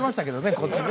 こっちね。